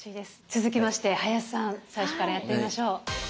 続きまして林さん最初からやってみましょう。